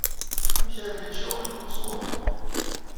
Amek armi i d-tceɣlemt d tẓuri?